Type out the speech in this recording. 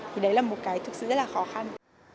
thì đấy là một cái thực sự rất là khó khăn